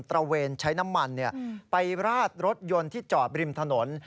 ระเวนใช้น้ำมันไปราดรถยนต์ที่จอดบริมถนน